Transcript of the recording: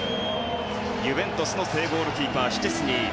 ユベントスの正ゴールキーパーシュチェスニー。